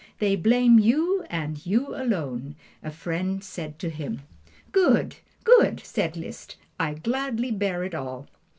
"They blame you and you alone," a friend said to him. "Good! good!" said Liszt, "I gladly bear it all."